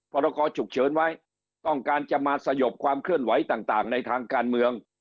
พรกรฉุกเฉินไว้ต้องการจะมาสยบความเคลื่อนไหวต่างในทางการเมือง